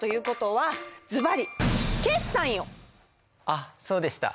あっそうでした。